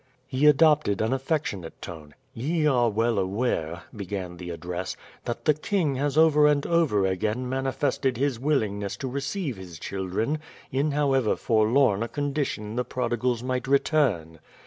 He adopted an affectionate tone: "Ye are well aware," began the address, "that the king has over and over again manifested his willingness to receive his children, in however forlorn a condition the prodigals might return.